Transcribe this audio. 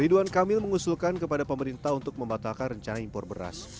ridwan kamil mengusulkan kepada pemerintah untuk membatalkan rencana impor beras